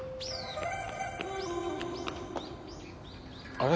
あれ？